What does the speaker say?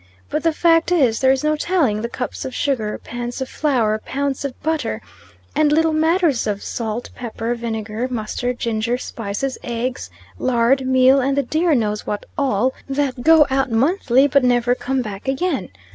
But, the fact is, there is no telling the cups of sugar, pans of flour, pounds of butter, and little matters of salt, pepper, vinegar, mustard, ginger, spices, eggs, lard, meal, and the dear knows what all, that go out monthly, but never come back again.